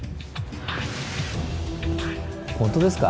本当ですか？